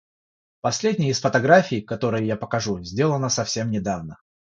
Последняя из фотографий, которые я покажу, сделана совсем недавно.